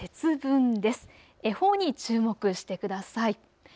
恵方に注目してください。